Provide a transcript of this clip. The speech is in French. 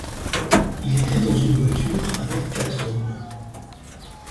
Il était dans une voiture avec quatre hommes.